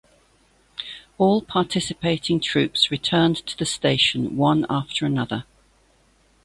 All participating troops returned to the station one after another.